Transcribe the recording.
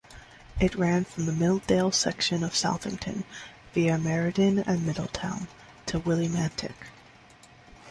It ran from the Milldale section of Southington, via Meriden and Middletown, to Willimantic.